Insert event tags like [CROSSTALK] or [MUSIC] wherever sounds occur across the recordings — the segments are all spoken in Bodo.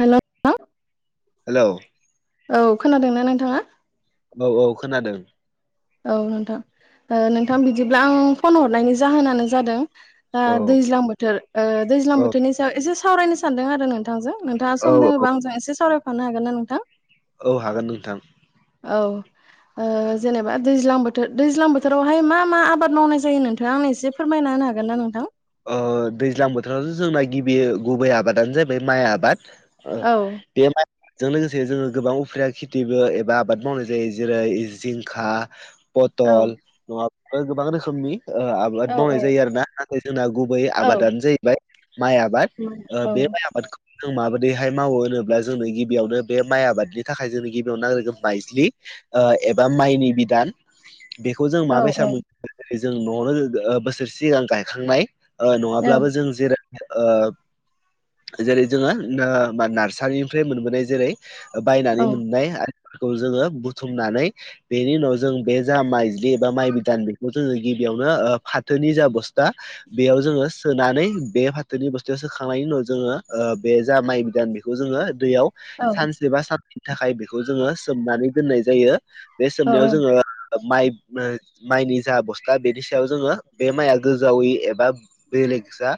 हेल' ओं हेलौ औ खोनादोंना नोंथाङा औ औ खोनादों। औ नोंथां ओ नोंथां बिदिब्ला आं फन हरनायनि जाहोनानो जादों दा औ दैज्लां बोथोर ओ दैज्लां औ बोथोरनि सायाव एसे सावरायनो सानदों आरो नोंथांजों। नोंथाङा सम औ दोङोबा आंजों एसे सावरायफानो हागोन ना नोंथां औ हागोन नोंथां। औ ओ जेनेब बा दैज्लां बोथोर दैज्लां बोथोरावहाय मा मा आबाद मावनाय जायो नोंथाङा आंनो एसे फोरमायना होनो हागोन ना नोंथां? ओ दैज्लां बोथोरावथ' जोंना गिबियो गुबै आबादानो जाहैबाय माइ आबाद ओ औ दे माइ जों लोगोसे जोङो गोबां उफ्रिया खेथिबो एबा आबाद मावनाय जायो जेरै जिंखा औ पथल नङाब गोबां रोखोमनि ओ औ आबाद मावनाय जायो आरो ना जोंना गुबै औ आबादानो जाहैबाय माइ आबाद ओ बे माइ आबादखौ जों माबोरैहाय मावो होनोब्ला जोंनो गिबियावनो बे माइ आबादनि थाखाय जोंनो गिबियाव नांग्रोगोन माइज्लि ओ एबा माइनि बिधान बेखौ जों औ मा बैसामु जों न'आवनो ओ बोसोरसे सिगां गायखांनाय ओ नङाब्लाबो जों जेरो ओ जेरै जोङो ओ नार्सारिनिफ्राय मोनबोनाय जेरै बायनानै मोननाय आर बेफोरखौ जोङो बुथुमनानै बेनि उनाव जों बे जा माइजलि एबा माइ बिधान बेखौ जोङो गिबियावनो ओ फाथोनि जा बोस दा बेयाव जोङो सोनानै बे फाथोनि बोस्थाव सोखांनायनि उनाव जोङो ओ बे जा माइ बिदान खौ जोङो दैयाव औ सानसे बा साद दिननि थाखाय बेखौ जोङो सोमनानै दोननाय जायो। बे औ सोमनायाव जोङो माइफ ओ माइनि जा बस्था बेनि सायाव जोङो बे माइआ गोजावै एबा बेलेगजा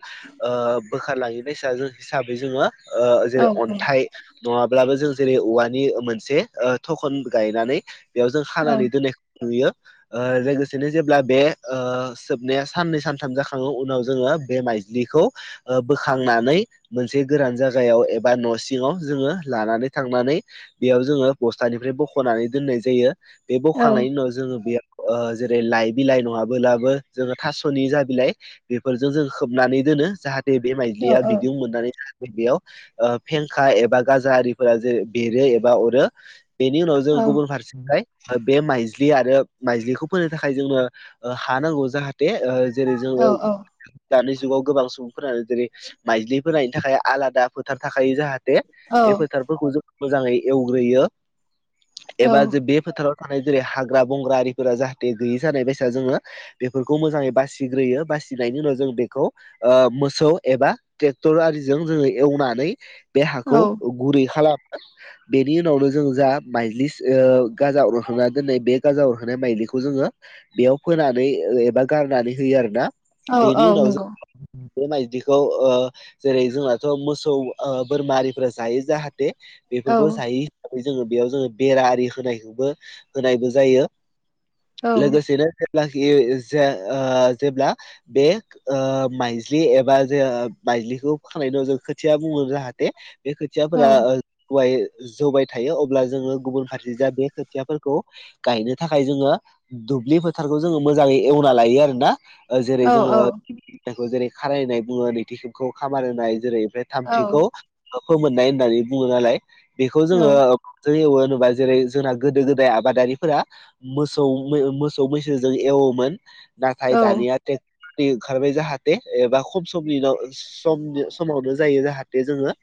ओ बोखारलाङि बायसा जों हिसाबै जोङो ओ औ जेरै अन्थाइ नङाब्लाबो जों जेरै औवानि मोनसे ओ थखन गायनानै बेयाव जों हानानै दोननायखौ नुयो। ओ लोगोसेनो जेब्ला बे ओ सोबनाया साननै सानथाम जाखङो उनाव जोङो बे माइज्लिखौ ओ बोखांनानै मोनसे गोरान जागायाव एबा न' सिङाव जोङो लानानै थांनानै बेयाव जोङो बस्थानिफ्राय बख'नानै दोननाय जायो। बे बखांनायनि उनाव जोङो बेयाव ओ जेरै लाइ बिलाइ नङाबोलाबो जोङो थास'नि जा बिलाय बेफोरजों जों खोबनानै दोनो जाहाथे बे माइदिलिया बिदिउ मोननानै बे बेयाव ओ फेंखा एबा गाजा आरिफोरा जे बेरो एबा अरो बेनि उनाव जोङो गुबुन फारसिहाय ओ बे माइज्लि आरो माइज्लिखौ फोनो थाखाय जोंनो ओ हा नांगौ जाहाथ दे ओ जेरै औ जोङो औ दानि जुगाव गोबां सुबुंफोरानो जेरै माइज्लि फोनायनि थाखाय आलादा फोथार थाखायो जाहाथे बे औ फोथारफोरखौ जों मोजाङै एवग्रोयो औ एबा जों बे फोथाराव थानाय जेरै हाग्रा बंग्रा आरिफोरा जाहाथे गोयै जानाय बायसा जोङो। बेफोरखौ मोजाङै बासिग्रोयो बासिनायनि उनाव जों बेखौ ओ मोसौ एबा ट्रेक्टर आरिजों जोङो एवनानै बे हाखौ औ गुरै खालामो बेनि उनावनो जों जा माइजलि ओ गाजा अरहांना दोननाय बे गाजा अर होनाय माइलिखौ जोङो बेयाव फोनानै एबा गारनानै होयो आरो ना औ बेनि औ उनाव जों नंगौ बे माइदिखौ ओ जेरै जोंनाथ' मोसौ ओ बोरमा आरिफोरा जायो जाहाथे औ बेफोरखौ जायि हिसाबै जोङो बेयाव जोङो बेरा आरि होनायखौबो होनायबो जायो। औ लोगोसेनो जेब्लाखि जे ओ जेब्ला बे ओ माइज्लि एबा जे ओ माइज्लिखौ फोखांनायनि उनाव जों खोथिया बुङो जाहाथे बे औ खोथियाफोरा ओ जौबाय थायो अब्ला जोङो गुबुन फारसे जा बे खोथियाफोरखौ। गायनो थाखाय जोङो दुब्लि फोथारखौ जोङो मोजाङै। एवना लायो आरोना ओ जेरै औ जोङो। खौ जेरै खारनाय बुङो नैथि खामखौ खामार होनाय जेरै उफ्राय थामथिखौ ओ फोमोननाय होननानै बुङो नालाय बेखौ औ जोङो जों एवो होनोबा जेरै जोंना गोदो गोदाय आबादारिफोरा मोसौ मोसौ मैसोजों एवोमोन नाथाय औ दानिया ट्रेक्ट ओंखारबाय जाहाथे एबा खम समनि उनाव समनो समावनो जायो जाहाथे जोङो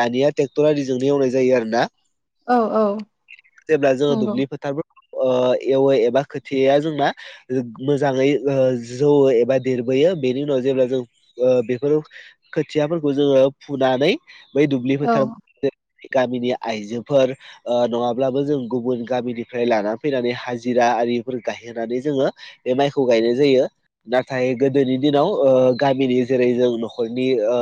दानिया टेक्टर आरिजोंनो एवनाय जायो आरोना औ जेब्ला जोङो नंगौ दुबलि फोथार ओ एवो एबा खोथियाया जोंना मोजाङै ओ जौवो एबा देरबोयो बेनि उनाव जेब्ला जों ओ बेफोरो खोथियाफोरखौ जोङो फुनानै बै दुब्लि औ फोथार जे गामिनि आइजोफोर ओ नङाब्लाबो जों गुबुन गामिनिफ्राय लाना फैनानै हाजिरा आरिफोर गायहोनानै जोङो बे माइखौ गायनाय जायो नाथाय गोदोनि दिनाव ओ गामिनि जेरै जों न'खरनि ओ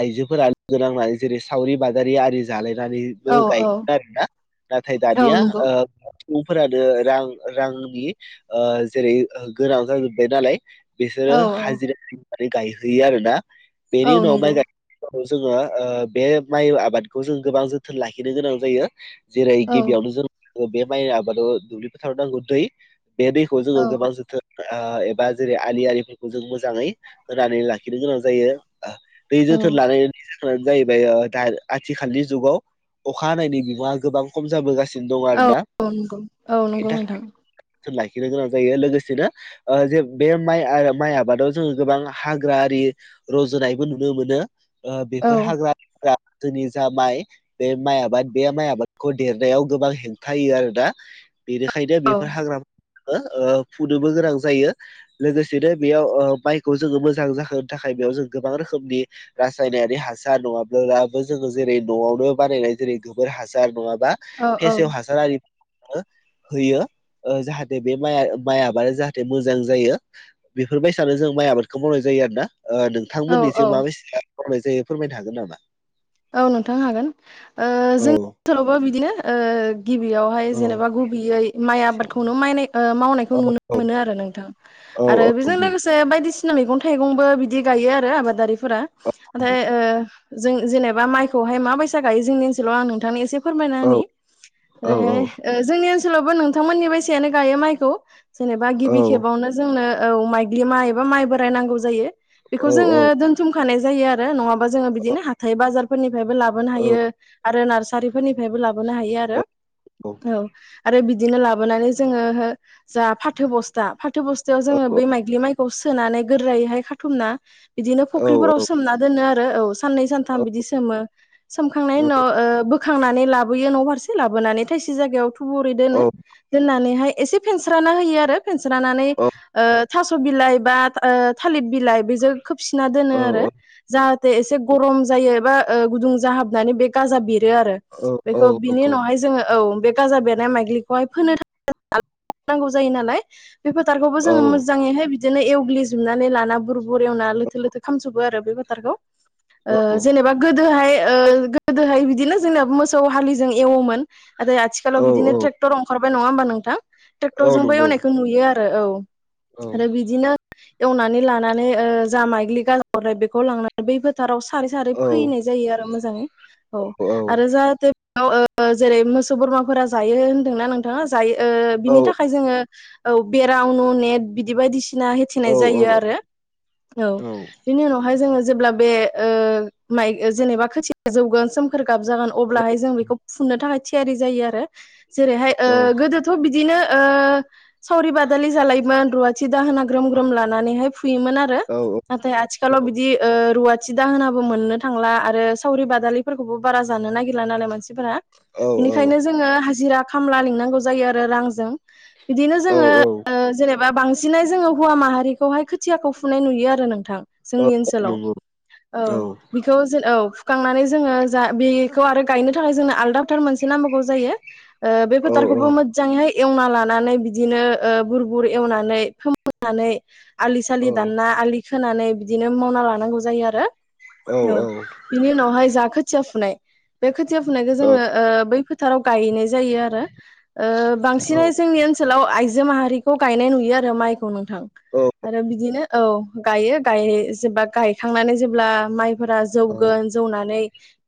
आइजोफोरा लोगोनांनानै जेरै सावरि बादारि आरि जालायनानैबो औ औ गायोमोन आरोना नाथाय औ दानिया नंगौ सुबुंफोरानो रां रांनि ओ जेरै गोनां जाजोबबाय नालाय औ बिसोरो हाजिरा होनानै गायहोयो आरोना बेनि औ उनाव नंगौ माइ गाय जोङो बे माइ आबादखौ जों गोबां जोथोन लाखिनो गोनां जायो जेरै औ गिबियावनो जों बे माइ आबादाव दुब्लि फोथाराव नांगौ दै बे दै दैखौ औ जोंङो गोबां जोथोन ओ एबा जेरै आलि आरिफोरखौ जों मोजाङै होनानै लाखिनो गोनां जायो ओ दै औ जोथोन लालायनानै जों जाहोनानो जाहैबाय दा आथिखालनि जुगाव अखा हानायनि बिबांआ गोबां खम जाबोगासिनो दं आरोना औ नंगौ औ बेनि नंगौ थाखाय नोंथां जोथोन लाखिनो गोनां जायो लोगोसेनो ओ जे बे माइ माइ आबादाव जोङो गोबां हाग्रा आरि रज'नायबो नुनो मोनो औ बेफोर हाग्रा आरिफ्रा जोंनि जा माइ बे माइ आबाद बे माइ आबादखौ देरनायाव गोबां हेंथायो आरोना बेनिखायनो औ बेफोर हाग्राफोरखो फुनोबो गोनां जायो लोगोसेनो बेयाव ओ माइखौ जोङो मोजां जाहोनो थाखाय बेयाव जों गोबां रोखोमनि रासायनारि हासार नङाब्लाबो जोङो जेरै न'आवनो बानायनाय जेरै गोबोर हासार नङाबा औ फेसेव हासार आरि जोङो होयो जाहाथे नै बे माया माय आबादा जाहाथे मोजां जायो। बेफोरबायसानो जों माइ आबादखौ मावनाय जायो आरो ओ नों औ औ थांमोननिथिं माबायसा मावनाय जायो फोरमायनो हागोन नामा? औ नोंथां हागोन ओ औ जों ओनसोलावबो बिदिनो ओ गिबियावहाय औ जेनेबा गुबैयै माइ आबादखौनो माइ ओ मावनायखौ औ नुनो औ मोनो आरो नोंथां औ आरो औ बेजों लोगोसे बायदिसि सिना मैगं थाइगंबो बिदि गायो आरो आबादारिफोरा नाथाय ओ जों जेनेब बा माइखौहाय माबायसा गायो जोंनि ओनसोलाव आं नोंथांनो एसे फोरमायना होनि औ ओरैहाय ओ जोंनि ओनसोलावबो नोंथांमोननि बायसायानो गायो माइखौ। जेनेबा औ गिबि औ खेबावनो जोंनो औ माइग्लि माइ एबा माइ बोराय नांगौ जायो। औ बेखौ जोङो औ दोनथुमखानाय जायो आरो नङाबा जोङो बिदिनो हाथाय बाजार फोरनिफ्रायबो लाबोनो हायो आरो नार्सारिफोरनिफ्रायबो लाबोनो हायो आरो औ आरो बिदिनो लाबोनानै जोङो हो जा फाथो बस्था फाथो बस्थायाव जोङो बे माइग्लि माइखौ सोनानै गोरायैहाय खाथुमना बिदिनो फख्रिफोराव सोमना दोनो आरो औ साननै सानथाम बिदि सोमो सोमखांनायनि उनाव ओ बोखांनानै लाबोयो न' फारसे लाबोनानै थायसे जायगायाव थुबुरै दोनो दोननानैहाय एसे फेनस्राना होयो आरो फेनस्रानानै ओ थास' बिलाइ बा ओ थालिर बिलाइ बेजो खोबसिना औ दोनो आरो। जाहाथे एसे गरम जायो एबा ओ गुदुं जाहाबनानै बे गाजा बेरो आरो। बेखौ बिनि उनावहाय जोङो औ बेख गाजा बेरनाय माइग्लिखौहाय फोनो थाखाय [UNINTELLIGIBLE] नांगौ जायो नालाय बे फोथारखौबो जोङो मोजाङैहाय बिदिनो एवग्लि जोबनानै लाना बुर बर एवना लोथो लोथो खामजोबो आरो बे बोथारखौ ओ जेनेबा गोदोहाय ओ गोदोहाय बिदिनो जोंना मोसौ हालिजों एवोमोन। नाथाय आथिखालाव बिदिनो ट्रेक्टर ओंखारबाय नङा होमबा नोंथां? ट्रेक्टरजोंबो एवनायखौ नुयो आरो औ। आरो बिदिनो एवनानै लानानै ओ जा माइग्लि गाजा अरो बेखौ लांनानै बै फोथाराव सारै सारै औ फोहैनाय जायो आरो मोजाङै। औ आरो जाहाथे ओ औ जेरै मोसौ बोरमाफोरा जायो होनदोंन हा जायो ओ बिनि औ थाखाय जोङो औ बेरा उनु नेट बिदि बायदिसिना ना होथेनाय जायो आरो औ बेनि उनावहाय जोङो जेब्ला बे ओ माइ जेनेबा खोथिया जौगोन सोमखोर गाब जागोन अब्लाहाय जों बेखौ फुनो थाखाय थियारि जायो आरो जेरैहाय ओ गोदोथ' बिदिनो ओ सावरि बादालि जालायोमोन रुवाथि दाहोना ग्रोम ग्रोम लानानैहाय फुयोमोन आरो। नाथाय आथिखालाव बिदि ओ रुवाथि दाहोनाबो मोननो थांला आरो सावरि बादालिफोरखौबो बारा जानो नागिरला नालाय मानसिफोरा। बिनिखायनो जोङो हाजिरा खामला लिंनांगौ जायो आरो रांजों। बिदिनो जोङो ओ जेनेब बा बांसिनै जोङो हौवा माहारिखौहाय खोथियाखौ फुनाय नुयो आरो नोंथां। जोंनि ओनसोलाव नंगौ औ। बेखौ जेन औ फुखांनानै जोङो जा बेखौ आरो गायनो थाखाय जोंनो आलदा फोथार मोनसे नांगौ जायो। बे औ औ फोथारखौबो फोद जाङैहाय एवना लानानै बिदिनो ओ बुर बुर एवनानै फोमोननानै आलि औ सालि नंगौ दानना आलि खोनानै बिदिनो मावना लानांगौ जायो आरो औ बिनि उनावहाय जा खोथिया फुनाय बे खोथिया फुनायखो औ जोङो ओ बै फोथाराव गायैनाय जायो आरो ओ बांसिनै जोंनि ओनसोलाव आइजो माहारि खौ गायनाय नुयो आरो माइखौ नोंथां आरो बिदिनो औ गायो गाय जेबा गायखांनानै जेब्ला माइफोरा औ जौगोन जौनानै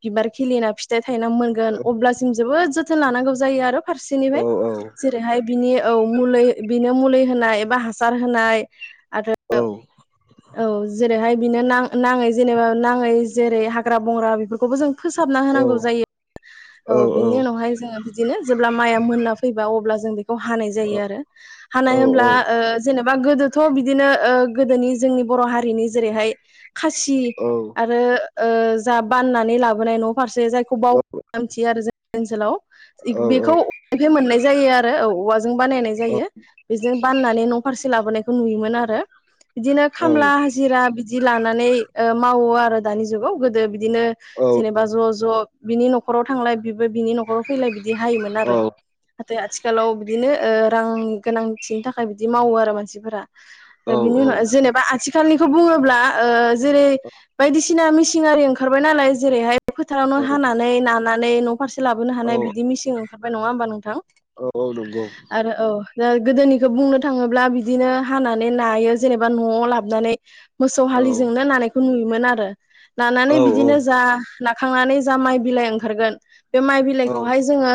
बिबार खिलिना फिथाइ थायना मोनगोन अब्लासिम जोबोद जोथोन लानांगौ जायो आरो औ औ फारसेनिफ्राय नंगौ औ औ जेरैहाय बिनि औ मुलै बिनो मुलि होनाय एबा हास गानहोनाय आरो औ औ जेरैहाय बिनो नाङै जेनेबा नाङै जेरै हाग्रा बंग्रा बेफोरखौबो जों फोसाबना होनांगौ जायो औ बिनि उनावहाय जोङो बिदिनो जेब्ला माइआ मोनना फैबा अब्ला जों बेखौ हानाय जायो आरो हानाय होमब्ला जेनेबा गोदो थ' बिदिनो गोदोनि जोंनि बर' हारिनि जेरैहाय खासि औ आरो जा बाननानै लाबोनाय न' फारसे जायखौ बावखा होनना मिथियो आरो जों ओनसोलाव बेखौ औवानिफ्राय मोननाय जायो आरो औ औवाजों बानायनाय औ जायो बेजोंनो बाननानै न' फारसे लाबोनायखौ नुयोमोन आरो बिदिनो औ औ खामला हाजिरा बिदि लानानै मावो आरो दानि जुगाव गोदो बिदि बिदिनो औ जेनेबा ज' ज' बिनि न'खर न'खराव थांलाय बिबो बिनि न'खराव फैलाय बिदि हायोमोन आरो नाथाय आथिखालाव बिदिनो रां गोनांथिनि थाखाय बिदि मावो आरो मानसिफोरा बिनि उनाव जेनेबा आथिखालनिखौ बुङोब्ला जेरै बायदिसिना मिसिन आरि ओंखारबाय नालाय जेरैहाय औ फोथारावनो हानानै नानानै नख फारसे लाबोनो औ हानाय बिदि मिसिं ओंखारबाय नङा होमबा नोंथां? औ औ नंगौ आरो औ दा गोदोनिखौ बुंनो थाङोब्ला बिदिनो हानानै नायो जेनेबा न'आव लाबोनानै मोसौ औ हालिजोंनो नानायखौ नुयोमोन आरो औ नानानै औ बिदिनो जा नाखांनानै जा माइ बिलाइ ओंखारगोन बे माइ औ बिलाइखौहाय जोङो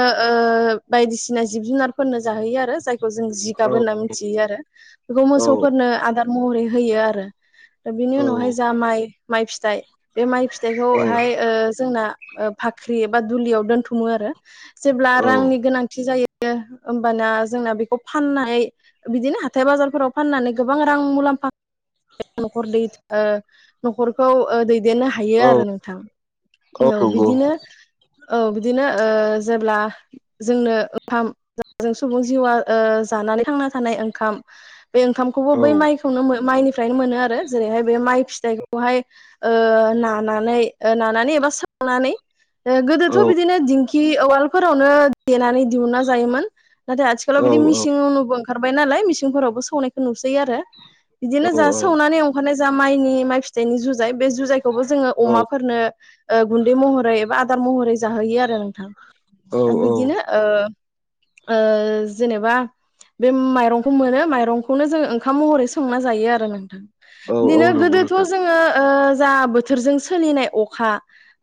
बायदिसिना जिब जुनारफोरनो जाहोयो आरो जायखौ जों जिगाब होनना मिथियो आरो बेखौ औ मोसौफोरनो आदार महरै होयो आरो औ बिनि नंगौ उनावहाय जा माइ माइ फिथाइ बे माइ फिथाइखौहाय जोंना बाख्रि एबा दुलियाव दोन्थुमो आरो जेब्ला औ रांनि गोनांथि जायो होमबाना जोंना बेखौ फाननाय बिदिनो हाथाय बाजारफोराव फाननानै गोबां रां मुलाम्फा न'खर खौ न'खरखौ दैदेननो हायो आरो नोंथां औ बिदिनो औ बिदिनो जेब्ला जोंनो ओंखाम जों सुबुं जिउआ जानानै थांना थानाय ओंखाम बे ओंखामखौबो बै माइखौनो माइनिफ्रायनो मोनो आरो जेरैहाय बे माइ जायखौहाय नानानै नानानै एबा सौनानै गोदोथ' बिदिनो दिंखि उवालफोरावनो देनानै दिहुना जायोमोन नाथाय आथिखालाव बिदि औ मिसिंनोबो ओंखारबाय नालाय मिसिनफोरावबो सौनायखौ नुसै आरो बिदिनो औ जा सौनानै ओंखारनाय जा माइनि माइ फिथाइनि जुजाय बे जुजाय खौबो जोङो अमाफोरनो गुन्दै महरै एबा आदार महरै जाहोयो आरो नोंथां बिदिनो ओ ओ जेनेबा बे माइरंखौ मोनो माइरंखौनो जों ओंखाम महरै संना जायो आरो नोंथां बिदिनो नंगौ गोदोथ' नोंथां जोङो जा बोथोरजों सोलिनाय अखा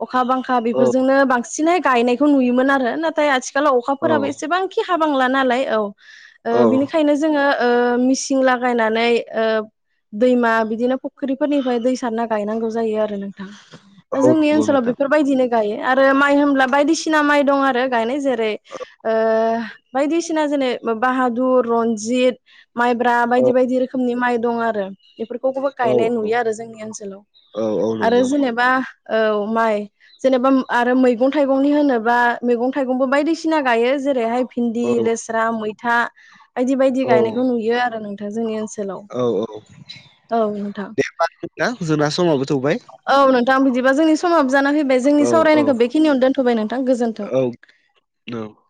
अखा बांखा औ बेफोरजोंनो बांसिनहाय गायनायखौ नुयोमोन आरो नाथाय आथिखालाव औ अखाफोराबो एसेबां हाबांला नालाय औ ओ औ बिनिखायनो जोङो मिसिन लागायनानै दैमा बिदिनो फुख्रिफोरनिफ्राय दै सारना गायनांगौ जायो आरो नोंथां दा औ जोंनि नंगौ ओनसोलाव नोंथां बेफोरबायदिनो गायो आरो माइ होनब्ला बायदिसिना माइ दं आरो गायनाय जेरै ओ बायदिसिना जेने बाहादुर रनजित माइब्रा औ बायदि बायदि रोखोमनि माइ दं आरो बेफोरखौ गोबां औ गायनाय नुयो आरो जोंनि ओनसोलाव औ औ आरो नंगौ जेनेबा औ माइ जेनेबा आरो मैगं थाइगंनि होनोबा मैगं थाइगंबो बायदिसिना गायो जेरैहाय भिन्दि औ लेस्रा मैथा बायदि बायदि गायनायखौ नुयो आरो नोंथां जोंनि ओनसोलाव। औ औ औ नोंथां दे होमबाना जोनना समाबो थौबाय औ नोंथां बिदिबा जोंनि समाबो जाना फैबाय औ जोंनि औ सावरायनायखौ बेखिनियावनो दोनथबाय नोंथां गोजोन्थों औ औ